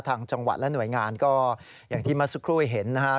ทางจังหวัดและหน่วยงานก็อย่างที่มาสุดครู่เห็นนะฮะ